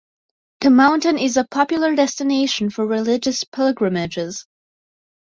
The mountain is a popular destination for religious pilgrimages.